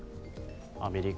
アメリカ